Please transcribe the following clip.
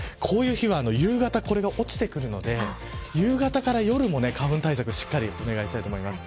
こういう日は夕方、これが落ちてくるので夕方から夜も、花粉対策しっかりお願いします。